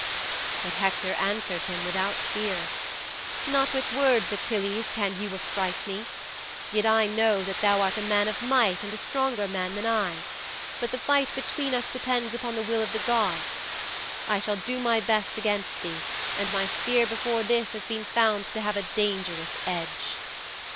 "' 'But Hector answered him without fear, "Not with words, Achilles, can you affright me. Yet I know that thou art a man of might and a stronger man than I. But the fight between us depends upon the will of the gods. I shall do my best against thee, and my spear before this has been found to have a dangerous edge."'